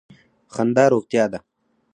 خندا روغتیا ده.